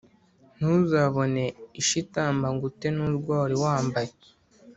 Ntuzabone isha itamba ngo ute nurwo wariwambaye